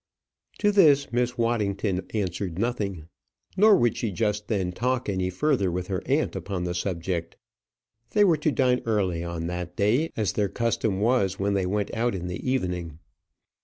To this Miss Waddington answered nothing, nor would she just then talk any further with her aunt upon the subject. They were to dine early on that day, as their custom was when they went out in the evening.